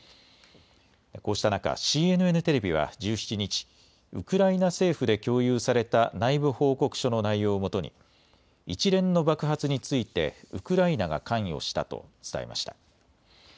こうした中、ＣＮＮテレビは１７日、ウクライナ政府で共有された内部報告書の内容をもとに一連の爆発についてウクライナが関与したと伝えました。